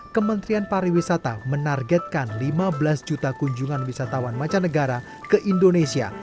kementerian pariwisata menargetkan lima belas juta kunjungan wisatawan mancanegara ke indonesia